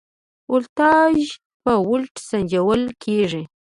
ولتاژ په ولټ سنجول کېږي.